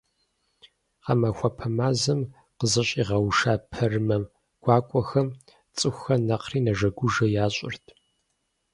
Гъэмахуэпэ мазэм къызэщӀигъэуша пэрымэ гуакӀуэхэм цӀыхухэр нэхъри нэжэгужэ ящӀырт.